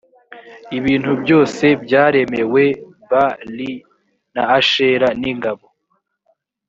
ibintu byose byaremewe b li na ashera n ingabo